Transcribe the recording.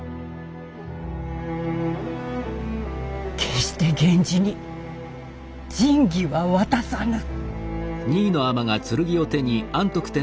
決して源氏に神器は渡さぬ。